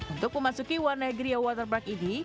untuk memasuki wanaegriya waterpark ini